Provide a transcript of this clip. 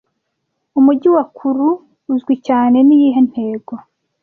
Umujyi wa Kourou uzwi cyane niyihe ntego